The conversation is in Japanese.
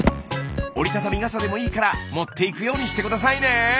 折りたたみ傘でもいいから持っていくようにして下さいね。